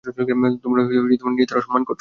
তোমরা নিজেদের অসম্মান করেছো।